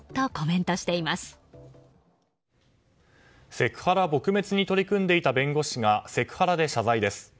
セクハラ撲滅に取り組んでいた弁護士がセクハラで謝罪です。